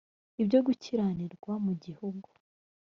ibyo gukiranirwa mu gihugu